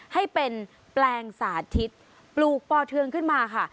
ให้เป็นแปลงสาธิตปลูกปอเทืองขึ้นมาค่ะ